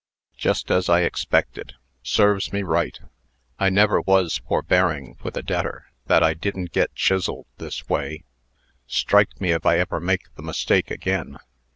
"Just as I expected. Serves me right. I never was forbearing with a debtor, that I didn't get chiselled this way. Strike me if I ever make the mistake again.